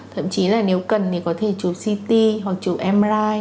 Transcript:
thậm chí là nếu cần thì có thể chụp ct hoặc chụp emri